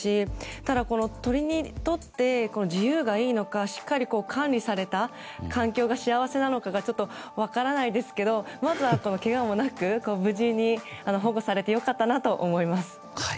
ただ、鳥にとって自由がいいのかしっかり管理された環境が幸せなのかちょっと分からないですがまずは、けがもなく無事に保護されて良かったなと思います。